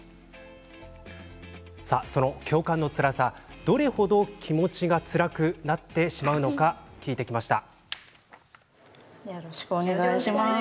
その共感のつらさどれ程気持ちがつらくなってしまうのか聞いてきました。